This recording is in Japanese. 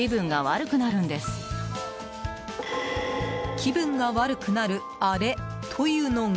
気分が悪くなるあれというのが。